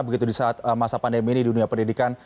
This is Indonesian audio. begitu di saat masa pandemi ini di dunia pendidikan